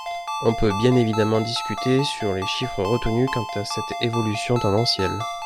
On peut bien évidemment discuter sur les chiffres retenus quant à cette évolution tendancielle.